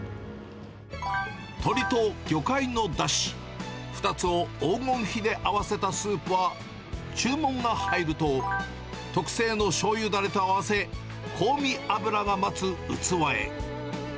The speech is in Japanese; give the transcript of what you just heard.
鶏と魚介のだし、２つを黄金比で合わせたスープは、注文が入ると、特製のしゅうゆだれと合わせ、香味油が待つ器へ。